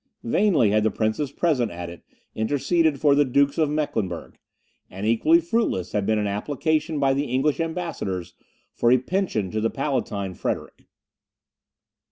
Vainly had the princes present at it interceded for the Dukes of Mecklenburgh; and equally fruitless had been an application by the English ambassadors for a pension to the Palatine Frederick.